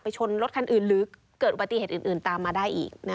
ชนรถคันอื่นหรือเกิดอุบัติเหตุอื่นตามมาได้อีก